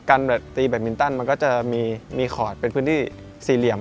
ตีแบตมินตันมันก็จะมีขอดเป็นพื้นที่สี่เหลี่ยม